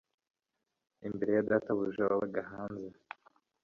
imbere ya databuja wabaga hanze